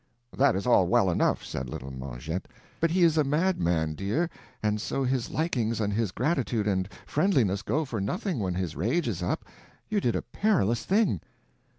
"That is all well enough," said Little Mengette, "but he is a madman, dear, and so his likings and his gratitude and friendliness go for nothing when his rage is up. You did a perilous thing."